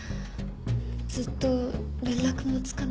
ずっと連絡もつかなくて。